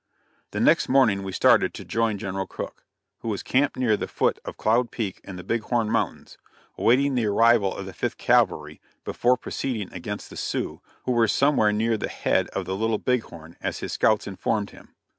The next morning we started to join General Crook, who was camped near the foot of Cloud Peak in the Big Horn mountains; awaiting the arrival of the Fifth Cavalry, before proceeding against the Sioux, who were somewhere near the head of the Little Big Horn, as his scouts informed him.